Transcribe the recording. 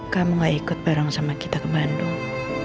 kamu nggak ikut bareng kara sama kita ke bandung